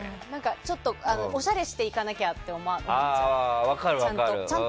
ちょっとおしゃれして行かなきゃって思っちゃう。